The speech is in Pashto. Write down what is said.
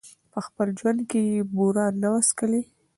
په خپل ژوند کي یې بوره نه وه څکلې